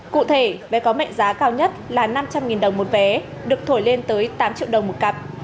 cụ thể vé có mệnh giá cao nhất là năm trăm linh đồng một vé được thổi lên tới tám triệu đồng một cặp